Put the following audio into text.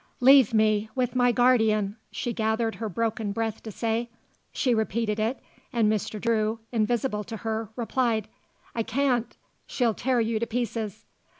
"Leave me with my guardian," she gathered her broken breath to say. She repeated it and Mr. Drew, invisible to her, replied, "I can't. She'll tear you to pieces."